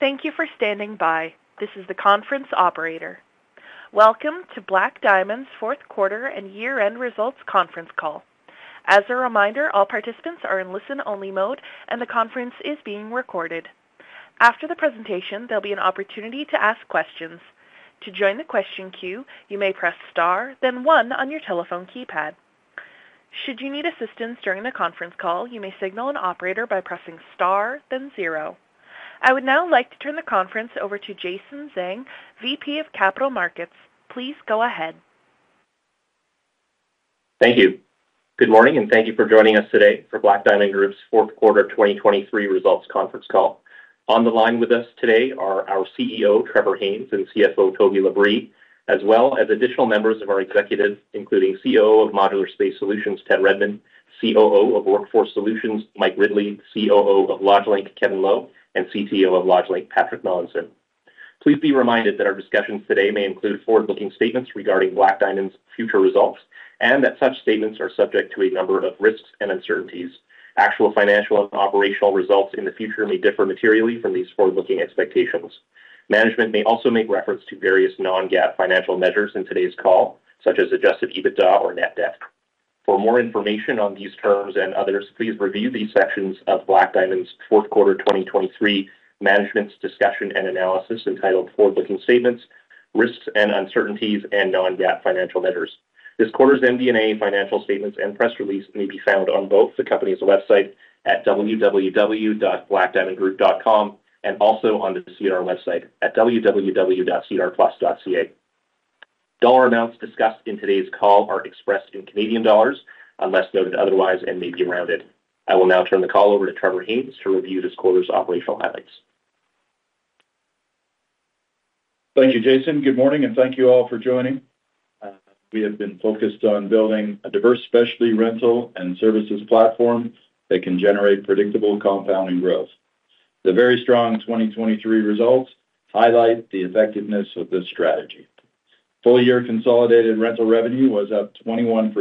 Thank you for standing by. This is the conference operator. Welcome to Black Diamond's fourth quarter and year-end results conference call. As a reminder, all participants are in listen-only mode, and the conference is being recorded. After the presentation, there'll be an opportunity to ask questions. To join the question queue, you may press Star, then one on your telephone keypad. Should you need assistance during the conference call, you may signal an operator by pressing star, then zero. I would now like to turn the conference over to Jason Zhang, VP of Capital Markets. Please go ahead. Thank you. Good morning, and thank you for joining us today for Black Diamond Group's fourth quarter of 2023 results conference call. On the line with us today are our CEO, Trevor Haynes, and CFO, Toby LaBrie, as well as additional members of our executive, including COO of Modular Space Solutions, Ted Redmond, COO of Workforce Solutions, Mike Ridley, COO of LodgeLink, Kevin Lo, and CTO of LodgeLink, Patrick Melanson. Please be reminded that our discussions today may include forward-looking statements regarding Black Diamond's future results and that such statements are subject to a number of risks and uncertainties. Actual financial and operational results in the future may differ materially from these forward-looking expectations. Management may also make reference to various non-GAAP financial measures in today's call, such as Adjusted EBITDA or net debt. For more information on these terms and others, please review these sections of Black Diamond's fourth quarter 2023 Management's Discussion and Analysis entitled "Forward-Looking Statements, Risks and Uncertainties, and Non-GAAP Financial Measures." This quarter's MD&A financial statements and press release may be found on both the company's website at www.blackdiamondgroup.com and also on the SEDAR+ website at www.sedarplus.ca. Dollar amounts discussed in today's call are expressed in Canadian dollars, unless noted otherwise and may be rounded. I will now turn the call over to Trevor Haynes to review this quarter's operational highlights. Thank you, Jason. Good morning, and thank you all for joining. We have been focused on building a diverse specialty rental and services platform that can generate predictable compounding growth. The very strong 2023 results highlight the effectiveness of this strategy. Full-year consolidated rental revenue was up 21%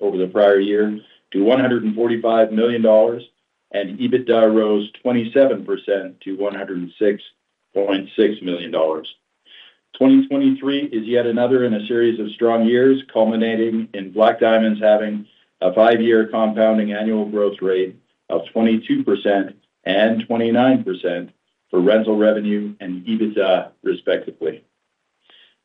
over the prior year to 145 million dollars, and EBITDA rose 27% to 106.6 million dollars. 2023 is yet another in a series of strong years, culminating in Black Diamond's having a five-year compounding annual growth rate of 22% and 29% for rental revenue and EBITDA, respectively.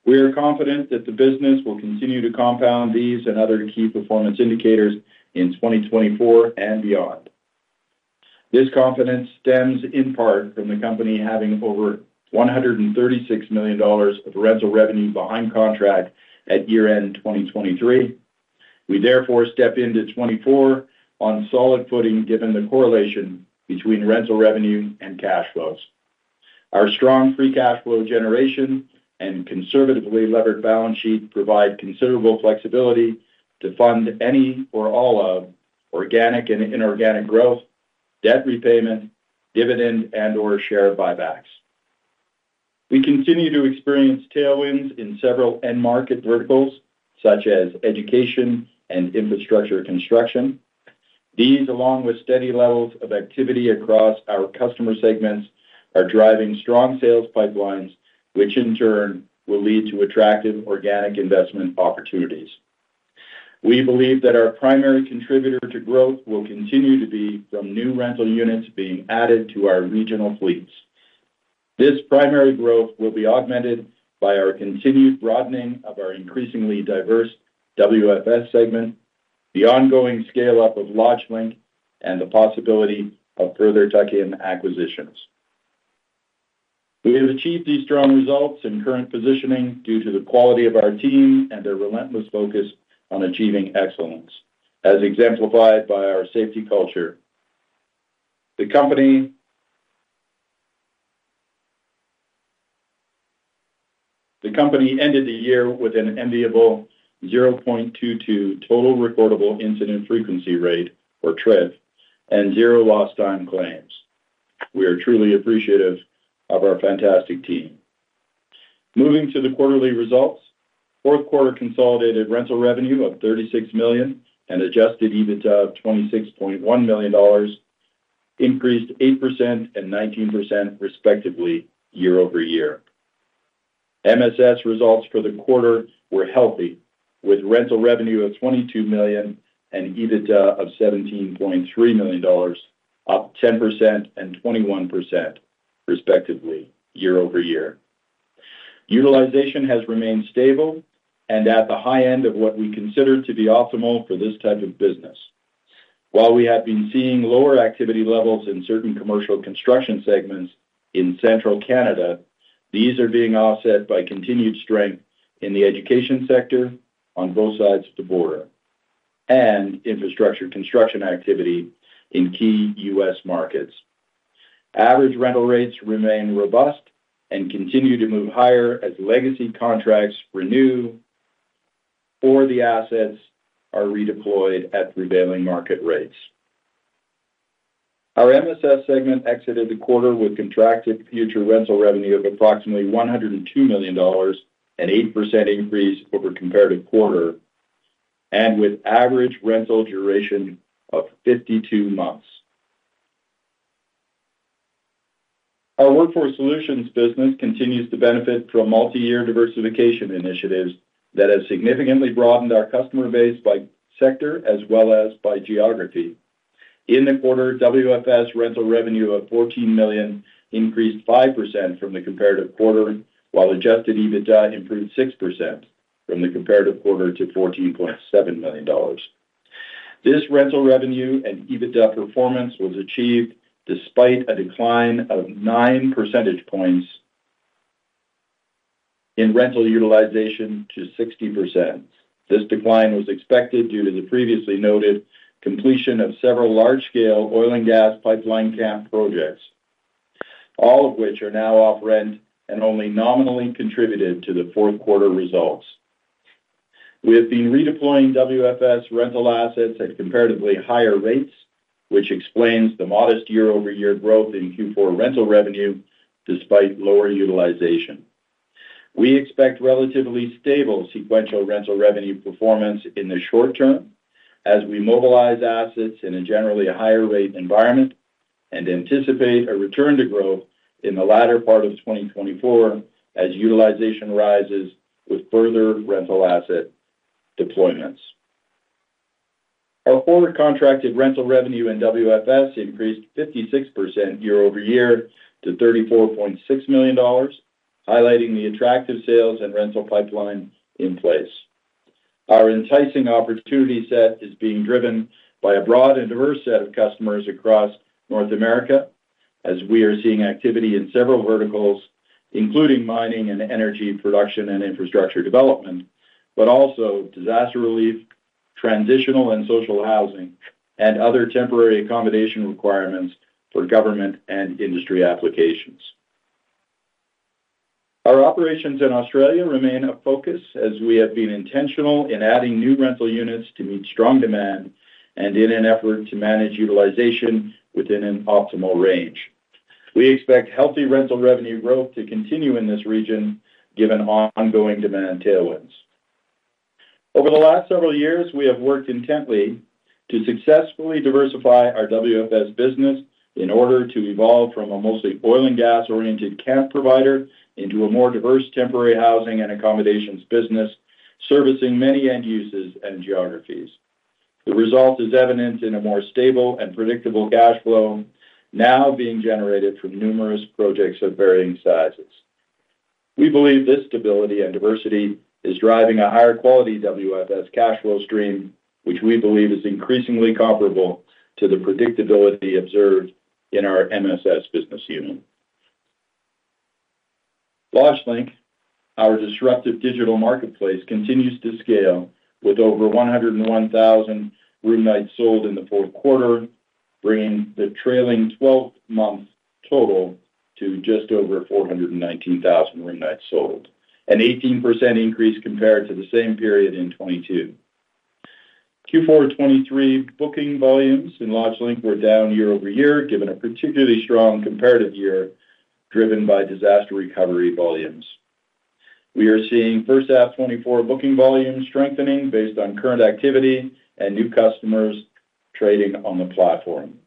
We are confident that the business will continue to compound these and other key performance indicators in 2024 and beyond. This confidence stems in part from the company having over 136 million dollars of rental revenue behind contract at year-end 2023. We therefore step into 2024 on solid footing, given the correlation between rental revenue and cash flows. Our strong free cash flow generation and conservatively levered balance sheet provide considerable flexibility to fund any or all of organic and inorganic growth, debt repayment, dividend, and/or share buybacks. We continue to experience tailwinds in several end-market verticals, such as education and infrastructure construction. These, along with steady levels of activity across our customer segments, are driving strong sales pipelines, which in turn will lead to attractive organic investment opportunities. We believe that our primary contributor to growth will continue to be from new rental units being added to our regional fleets. This primary growth will be augmented by our continued broadening of our increasingly diverse WFS segment, the ongoing scale-up of LodgeLink, and the possibility of further tuck-in acquisitions. We have achieved these strong results and current positioning due to the quality of our team and their relentless focus on achieving excellence, as exemplified by our safety culture. The company ended the year with an enviable 0.22 total recordable incident frequency rate, or TRIF, and zero lost time claims. We are truly appreciative of our fantastic team. Moving to the quarterly results, fourth quarter consolidated rental revenue of 36 million and Adjusted EBITDA of 26.1 million dollars increased 8% and 19%, respectively, year-over-year. MSS results for the quarter were healthy, with rental revenue of 22 million and EBITDA of 17.3 million dollars, up 10% and 21%, respectively, year-over-year. Utilization has remained stable and at the high end of what we consider to be optimal for this type of business. While we have been seeing lower activity levels in certain commercial construction segments in Central Canada, these are being offset by continued strength in the education sector on both sides of the border and infrastructure construction activity in key U.S. markets. Average rental rates remain robust and continue to move higher as legacy contracts renew or the assets are redeployed at prevailing market rates. Our MSS segment exited the quarter with contracted future rental revenue of approximately 102 million dollars, an 8% increase over comparative quarter and with average rental duration of 52 months. Our Workforce Solutions business continues to benefit from multi-year diversification initiatives that have significantly broadened our customer base by sector as well as by geography. In the quarter, WFS rental revenue of 14 million increased 5% from the comparative quarter, while Adjusted EBITDA improved 6% from the comparative quarter to 14.7 million dollars. This rental revenue and EBITDA performance was achieved despite a decline of nine percentage points in rental utilization to 60%. This decline was expected due to the previously noted completion of several large-scale oil and gas pipeline camp projects, all of which are now off rent and only nominally contributed to the fourth quarter results. We have been redeploying WFS rental assets at comparatively higher rates, which explains the modest year-over-year growth in Q4 rental revenue despite lower utilization. We expect relatively stable sequential rental revenue performance in the short term as we mobilize assets in a generally higher rate environment and anticipate a return to growth in the latter part of 2024 as utilization rises with further rental asset deployments. Our forward contracted rental revenue in WFS increased 56% year-over-year to 34.6 million dollars, highlighting the attractive sales and rental pipeline in place. Our enticing opportunity set is being driven by a broad and diverse set of customers across North America, as we are seeing activity in several verticals, including mining and energy production and infrastructure development, but also disaster relief, transitional and social housing, and other temporary accommodation requirements for government and industry applications. Our operations in Australia remain a focus, as we have been intentional in adding new rental units to meet strong demand and in an effort to manage utilization within an optimal range. We expect healthy rental revenue growth to continue in this region, given ongoing demand tailwinds. Over the last several years, we have worked intently to successfully diversify our WFS business in order to evolve from a mostly oil and gas-oriented camp provider into a more diverse temporary housing and accommodations business, servicing many end users and geographies. The result is evident in a more stable and predictable cash flow now being generated from numerous projects of varying sizes. We believe this stability and diversity is driving a higher quality WFS cash flow stream, which we believe is increasingly comparable to the predictability observed in our MSS business unit. LodgeLink, our disruptive digital marketplace, continues to scale with over 101,000 room nights sold in the fourth quarter, bringing the trailing twelve-month total to just over 419,000 room nights sold, an 18% increase compared to the same period in 2022. Q4 2023 booking volumes in LodgeLink were down year-over-year, given a particularly strong comparative year, driven by disaster recovery volumes. We are seeing first half 2024 booking volumes strengthening based on current activity and new customers trading on the platform.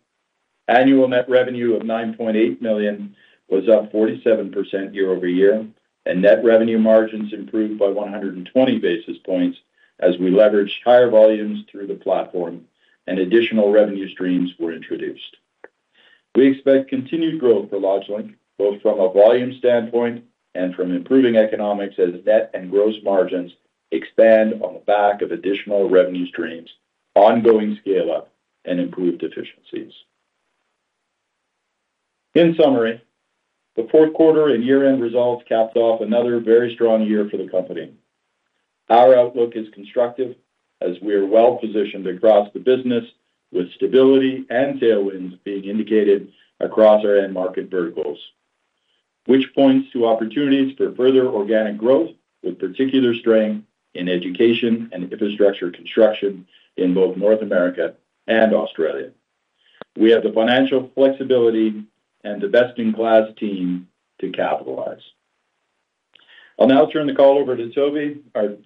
Annual net revenue of 9.8 million was up 47% year-over-year, and net revenue margins improved by 120 basis points as we leveraged higher volumes through the platform and additional revenue streams were introduced. We expect continued growth for LodgeLink, both from a volume standpoint and from improving economics as net and gross margins expand on the back of additional revenue streams, ongoing scale-up, and improved efficiencies. In summary, the fourth quarter and year-end results capped off another very strong year for the company. Our outlook is constructive as we are well-positioned across the business, with stability and tailwinds being indicated across our end market verticals, which points to opportunities for further organic growth, with particular strength in education and infrastructure construction in both North America and Australia. We have the financial flexibility and the best-in-class team to capitalize. I'll now turn the call over to Toby, our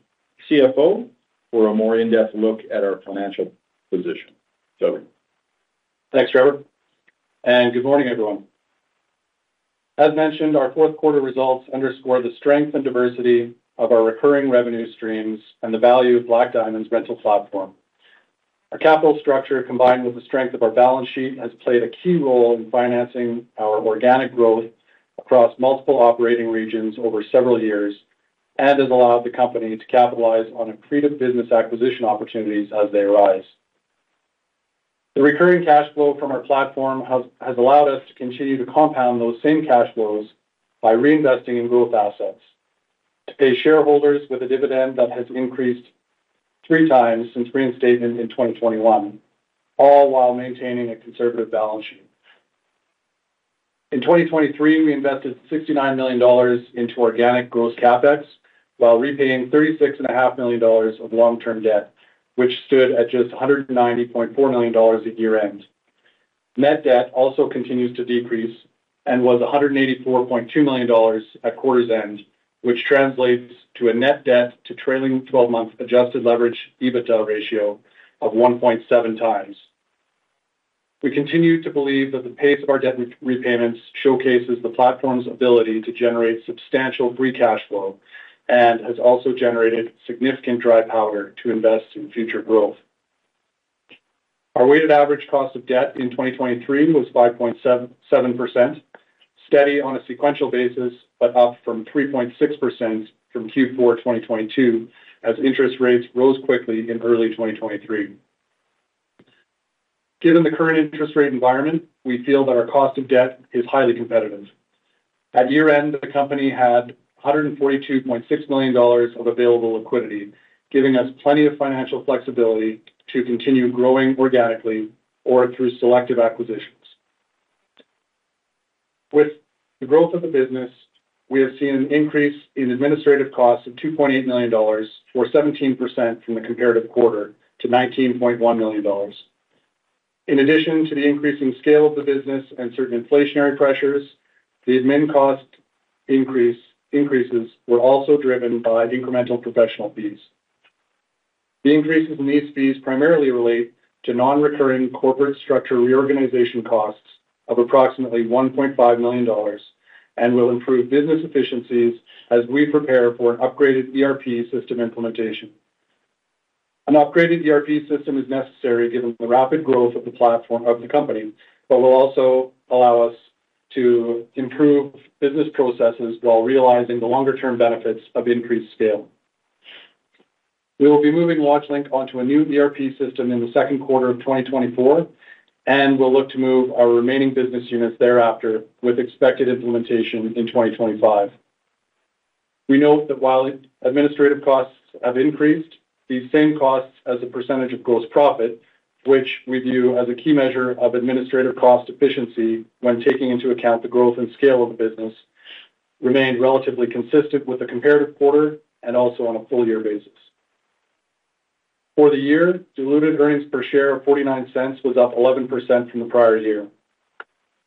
CFO, for a more in-depth look at our financial position. Toby? Thanks, Trevor, and good morning, everyone. As mentioned, our fourth quarter results underscore the strength and diversity of our recurring revenue streams and the value of Black Diamond's rental platform. Our capital structure, combined with the strength of our balance sheet, has played a key role in financing our organic growth across multiple operating regions over several years and has allowed the company to capitalize on accretive business acquisition opportunities as they arise. The recurring cash flow from our platform has allowed us to continue to compound those same cash flows by reinvesting in growth assets, to pay shareholders with a dividend that has increased three times since reinstatement in 2021, all while maintaining a conservative balance sheet. In 2023, we invested 69 million dollars into organic growth CapEx, while repaying 36.5 million dollars of long-term debt, which stood at just 190.4 million dollars at year-end. Net debt also continues to decrease and was 184.2 million dollars at quarter's end, which translates to a net debt to trailing twelve-month adjusted leverage EBITDA ratio of 1.7 times. We continue to believe that the pace of our debt repayments showcases the platform's ability to generate substantial free cash flow and has also generated significant dry powder to invest in future growth. Our weighted average cost of debt in 2023 was 5.77%, steady on a sequential basis, but up from 3.6% from Q4 2022, as interest rates rose quickly in early 2023. Given the current interest rate environment, we feel that our cost of debt is highly competitive. At year-end, the company had 142.6 million dollars of available liquidity, giving us plenty of financial flexibility to continue growing organically or through selective acquisitions. With the growth of the business, we have seen an increase in administrative costs of 2.8 million dollars, or 17% from the comparative quarter to 19.1 million dollars. In addition to the increasing scale of the business and certain inflationary pressures, the admin cost increases were also driven by incremental professional fees. The increases in these fees primarily relate to non-recurring corporate structure reorganization costs of approximately 1.5 million dollars and will improve business efficiencies as we prepare for an upgraded ERP system implementation. An upgraded ERP system is necessary given the rapid growth of the platform of the company, but will also allow us to improve business processes while realizing the longer-term benefits of increased scale. We will be moving LodgeLink onto a new ERP system in the second quarter of 2024, and we'll look to move our remaining business units thereafter, with expected implementation in 2025. We note that while administrative costs have increased, these same costs as a percentage of gross profit, which we view as a key measure of administrative cost efficiency when taking into account the growth and scale of the business, remained relatively consistent with the comparative quarter and also on a full year basis. For the year, diluted earnings per share of 0.49 was up 11% from the prior year.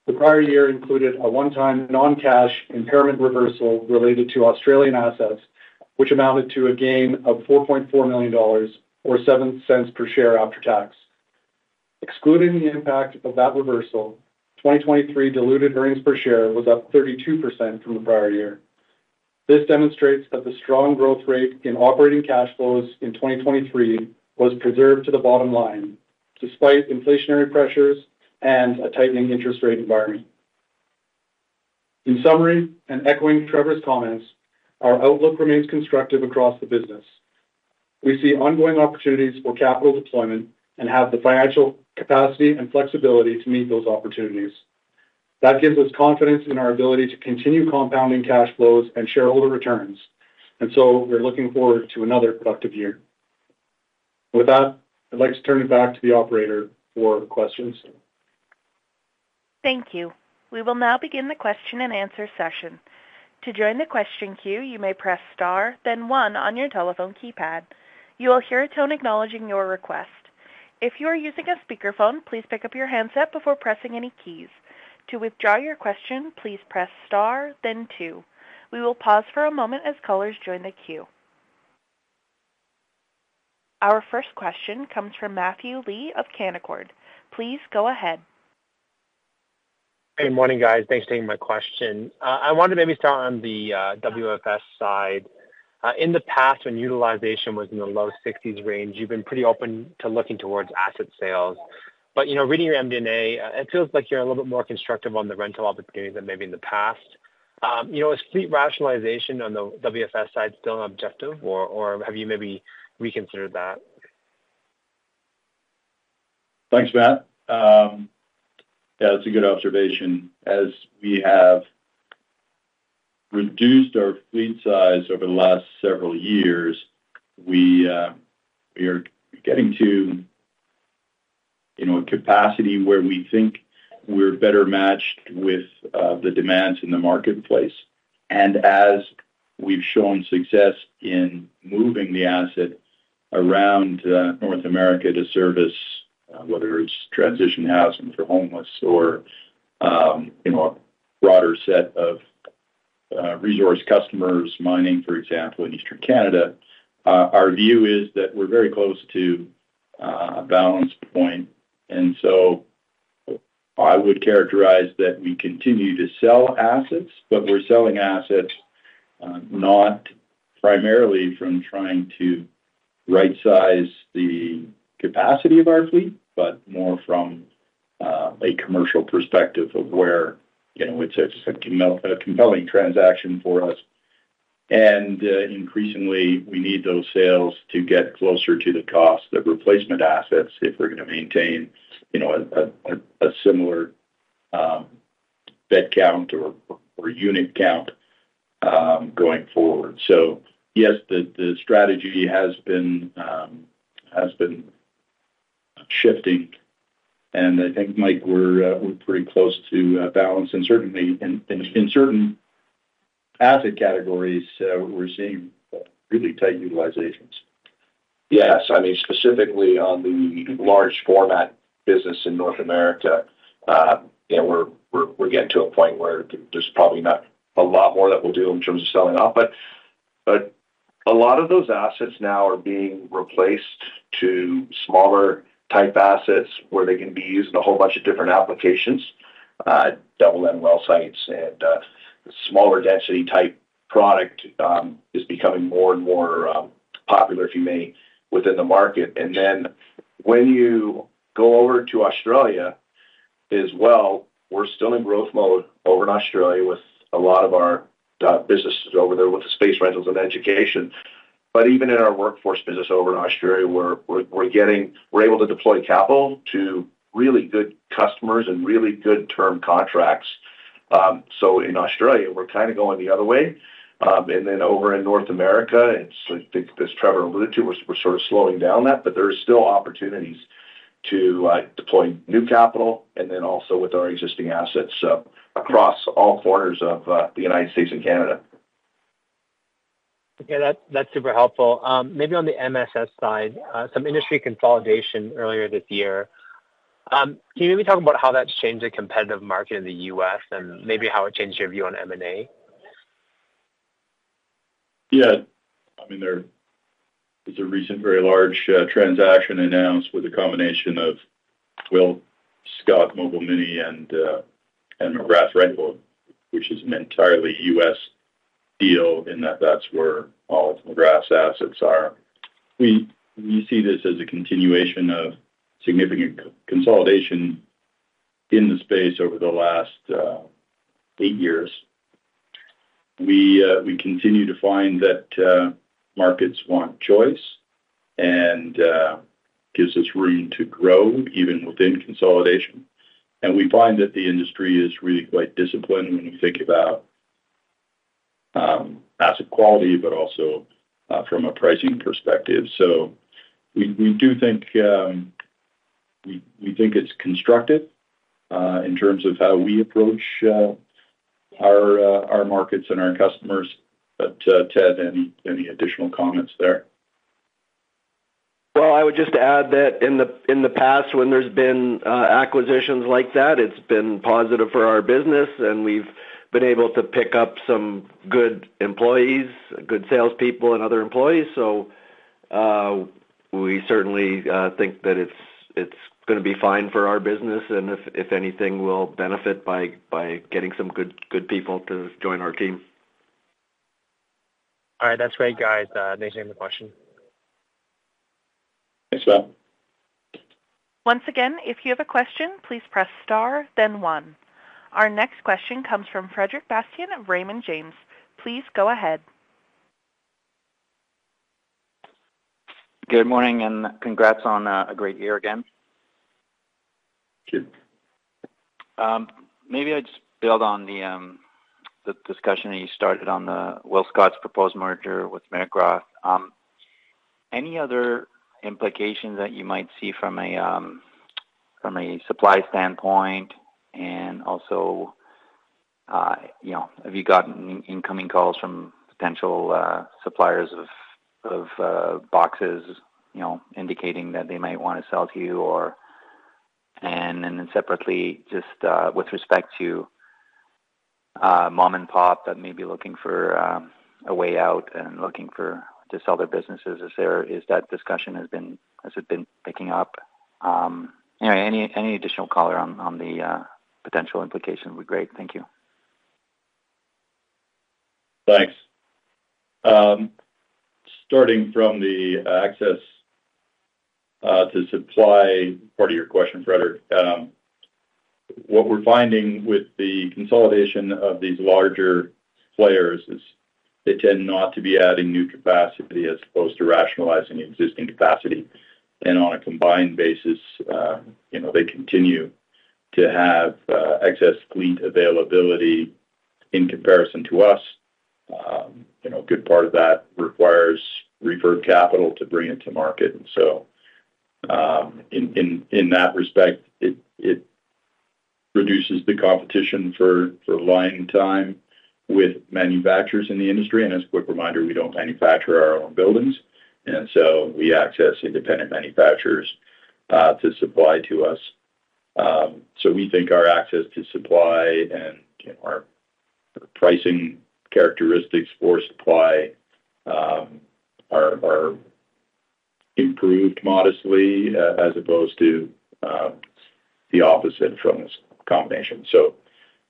The prior year included a one-time non-cash impairment reversal related to Australian assets, which amounted to a gain of 4.4 million dollars, or 0.07 per share after tax. Excluding the impact of that reversal, 2023 diluted earnings per share was up 32% from the prior year. This demonstrates that the strong growth rate in operating cash flows in 2023 was preserved to the bottom line, despite inflationary pressures and a tightening interest rate environment. In summary, and echoing Trevor's comments, our outlook remains constructive across the business. We see ongoing opportunities for capital deployment and have the financial capacity and flexibility to meet those opportunities. That gives us confidence in our ability to continue compounding cash flows and shareholder returns, and so we're looking forward to another productive year. With that, I'd like to turn it back to the operator for questions. Thank you. We will now begin the question-and-answer session. To join the question queue, you may press star, then one on your telephone keypad. You will hear a tone acknowledging your request. If you are using a speakerphone, please pick up your handset before pressing any keys. To withdraw your question, please press star, then two. We will pause for a moment as callers join the queue. Our first question comes from Matthew Lee of Canaccord. Please go ahead. Hey, morning, guys. Thanks for taking my question. I wanted to maybe start on the WFS side. In the past, when utilization was in the low sixties range, you've been pretty open to looking towards asset sales. But, you know, reading your MD&A, it feels like you're a little bit more constructive on the rental opportunities than maybe in the past. You know, is fleet rationalization on the WFS side still an objective, or, or have you maybe reconsidered that? Thanks, Matt. Yeah, that's a good observation. As we have reduced our fleet size over the last several years, we are getting to, you know, a capacity where we think we're better matched with the demands in the marketplace. And as we've shown success in moving the asset around North America to service whether it's transition housing for homeless or, you know, a broader set of resource customers, mining, for example, in Eastern Canada, our view is that we're very close to a balance point. And so I would characterize that we continue to sell assets, but we're selling assets not primarily from trying to right size the capacity of our fleet, but more from a commercial perspective of where, you know, it's a compelling transaction for us. Increasingly, we need those sales to get closer to the cost of replacement assets if we're going to maintain, you know, a similar bed count or unit count going forward. So yes, the strategy has been shifting, and I think, Mike, we're pretty close to a balance, and certainly in certain asset categories, receive really tight utilizations. Yes, I mean, specifically on the large format business in North America, you know, we're getting to a point where there's probably not a lot more that we'll do in terms of selling off. But a lot of those assets now are being replaced to smaller type assets where they can be used in a whole bunch of different applications, double end well sites and, smaller density type product is becoming more and more popular, if you may, within the market. And then when you go over to Australia as well, we're still in growth mode over in Australia with a lot of our businesses over there with the space rentals and education. But even in our workforce business over in Australia, we're getting. We're able to deploy capital to really good customers and really good term contracts. So in Australia, we're kind of going the other way. And then over in North America, it's, I think, as Trevor alluded to, we're, we're sort of slowing down that, but there are still opportunities to deploy new capital and then also with our existing assets, so across all corners of the United States and Canada. Okay, that, that's super helpful. Maybe on the MSS side, some industry consolidation earlier this year. Can you maybe talk about how that's changed the competitive market in the U.S. and maybe how it changed your view on M&A? Yeah. I mean, there is a recent, very large transaction announced with a combination of WillScot Mobile Mini and McGrath RentCorp, which is an entirely U.S. deal, and that's where all of McGrath's assets are. We see this as a continuation of significant consolidation in the space over the last eight years. We continue to find that markets want choice and gives us room to grow even within consolidation. And we find that the industry is really quite disciplined when you think about asset quality, but also from a pricing perspective. So we do think we think it's constructive in terms of how we approach our markets and our customers. But, Ted, any additional comments there? Well, I would just add that in the past, when there's been acquisitions like that, it's been positive for our business, and we've been able to pick up some good employees, good salespeople, and other employees. So, we certainly think that it's gonna be fine for our business, and if anything, we'll benefit by getting some good people to join our team. All right. That's great, guys. Thanks for taking the question. Thanks, well. Once again, if you have a question, please press star then one. Our next question comes from Frederic Bastien of Raymond James. Please go ahead. Good morning, and congrats on a great year again. Thank you. Maybe I'd just build on the discussion that you started on the WillScot's proposed merger with McGrath. Any other implications that you might see from a supply standpoint? And also, you know, have you gotten incoming calls from potential suppliers of boxes, you know, indicating that they might want to sell to you or. And then separately, just with respect to mom-and-pop that may be looking for a way out and looking for to sell their businesses, is there has that discussion, has it been picking up? Anyway, any additional color on the potential implications would be great. Thank you. Thanks. Starting from the access to supply part of your question, Frederick, what we're finding with the consolidation of these larger players is they tend not to be adding new capacity as opposed to rationalizing existing capacity. And on a combined basis, you know, they continue to have excess fleet availability in comparison to us. You know, a good part of that requires refurb capital to bring it to market. And so, in that respect, it reduces the competition for line time with manufacturers in the industry. And as a quick reminder, we don't manufacture our own buildings, and so we access independent manufacturers to supply to us. So we think our access to supply and, you know, our pricing characteristics for supply are improved modestly as opposed to the opposite from this combination. So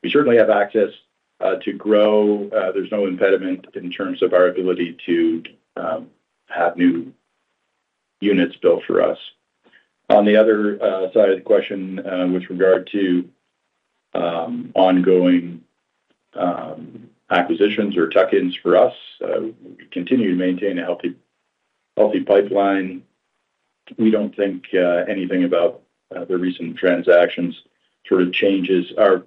we certainly have access to grow. There's no impediment in terms of our ability to have new units built for us. On the other side of the question, with regard to ongoing acquisitions or tuck-ins for us, we continue to maintain a healthy, healthy pipeline. We don't think anything about the recent transactions sort of changes our,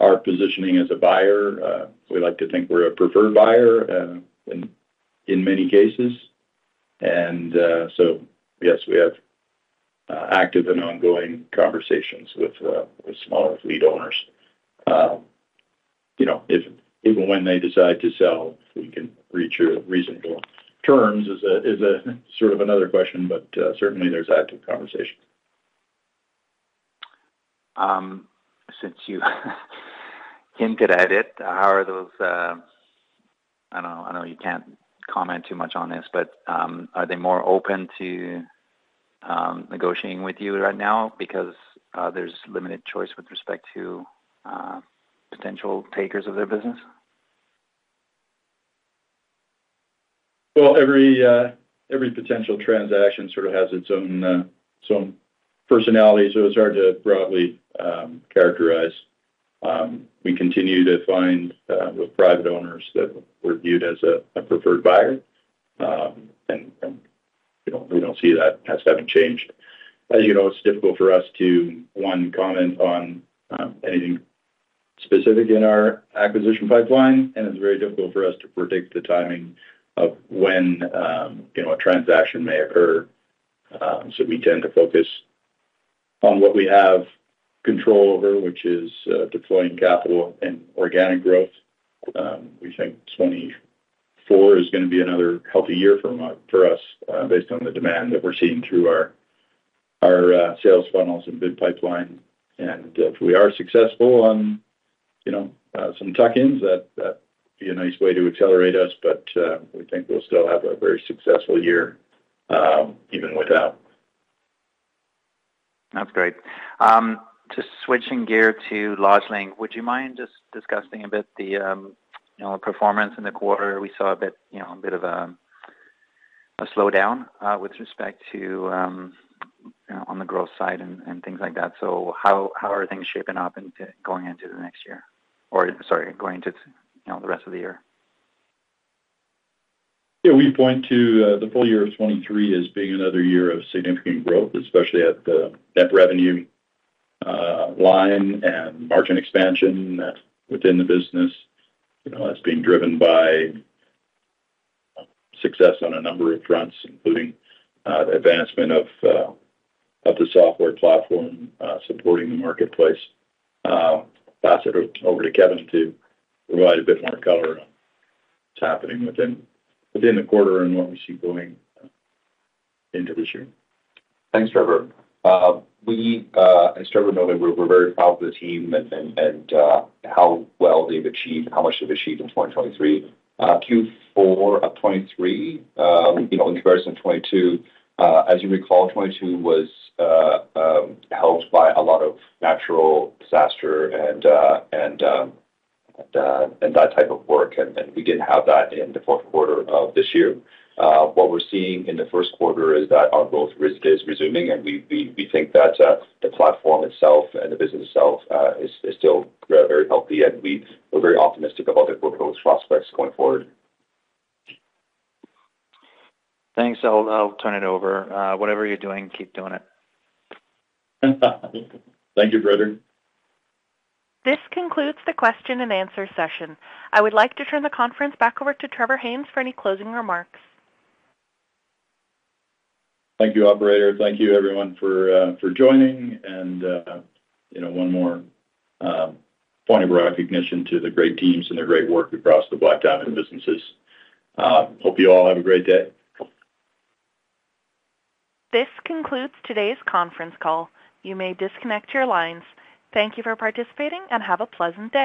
our positioning as a buyer. We like to think we're a preferred buyer in many cases. So yes, we have active and ongoing conversations with smaller fleet owners. You know, if and when they decide to sell, if we can reach a reasonable terms is a sort of another question, but certainly there's active conversations. Since you hinted at it, how are those I know, I know you can't comment too much on this, but, are they more open to negotiating with you right now because there's limited choice with respect to potential takers of their business? Well, every, every potential transaction sort of has its own, its own personality, so it's hard to broadly characterize. We continue to find, with private owners that we're viewed as a, a preferred buyer. And, and, you know, we don't see that as having changed. As you know, it's difficult for us to, one, comment on, anything specific in our acquisition pipeline, and it's very difficult for us to predict the timing of when, you know, a transaction may occur. So we tend to focus on what we have control over, which is, deploying capital and organic growth. We think 2024 is gonna be another healthy year for us, based on the demand that we're seeing through our, our, sales funnels and bid pipeline. If we are successful on, you know, some tuck-ins, that, that would be a nice way to accelerate us, but we think we'll still have a very successful year, even without. That's great. Just switching gear to LodgeLink, would you mind just discussing a bit the, you know, performance in the quarter? We saw a bit, you know, a bit of a slowdown with respect to on the growth side and things like that. So how are things shaping up and going into the next year? Or, sorry, going into, you know, the rest of the year. Yeah, we point to the full year of 2023 as being another year of significant growth, especially at the net revenue line and margin expansion within the business. You know, that's being driven by success on a number of fronts, including the advancement of the software platform supporting the marketplace. Pass it over to Kevin to provide a bit more color on what's happening within the quarter and what we see going into this year. Thanks, Trevor. As Trevor noted, we're very proud of the team and how well they've achieved, how much they've achieved in 2023. Q4 of 2023, you know, in comparison to 2022, as you recall, 2022 was helped by a lot of natural disaster and that type of work, and we didn't have that in the fourth quarter of this year. What we're seeing in the first quarter is that our growth risk is resuming, and we think that the platform itself and the business itself is still very, very healthy, and we're very optimistic about the growth prospects going forward. Thanks. I'll turn it over. Whatever you're doing, keep doing it. Thank you, Trevor. This concludes the question and answer session. I would like to turn the conference back over to Trevor Haynes for any closing remarks. Thank you, operator. Thank you everyone for joining, and, you know, one more point of recognition to the great teams and their great work across the Black Diamond businesses. Hope you all have a great day. This concludes today's conference call. You may disconnect your lines. Thank you for participating, and have a pleasant day.